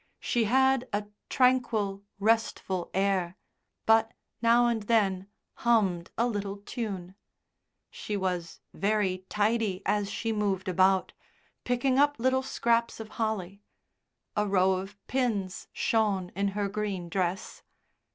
She had a tranquil, restful air, but, now and then, hummed a little tune. She was very tidy as she moved about, picking up little scraps of holly. A row of pins shone in her green dress.